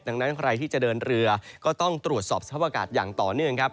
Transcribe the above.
ดังนั้นใครที่จะเดินเรือก็ต้องตรวจสอบสภาพอากาศอย่างต่อเนื่องครับ